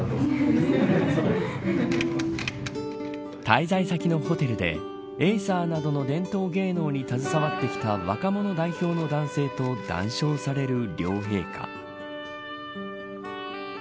滞在先のホテルでエイサーなどの伝統芸能に携わってきた若者代表の男性と談笑される両陛下。